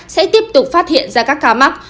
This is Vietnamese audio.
sẽ tiếp tục phát hiện ra các ca mắc